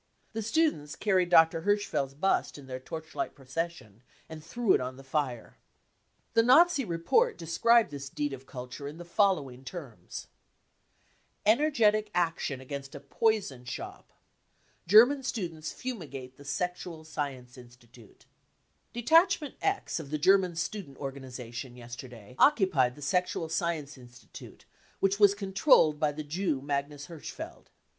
The students carried Dr. Hirsch feld's bust in their torchlight procession and threw it on the fired 5 The Nazi report described this " deed of culture 95 in the following terms :% Energetic Action against a Poison Shop German Students Fumigate the " Sexual 'Science Institute 59 cc Detachment X of the German student organisation yesterday occupied the * Sexual Science Institute, 9 which was controlled by the Jew Magnus Hirschfeld.